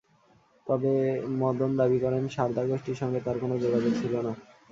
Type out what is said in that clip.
তবে মদন দাবি করেন, সারদা গোষ্ঠীর সঙ্গে তাঁর কোনো যোগাযোগ ছিল না।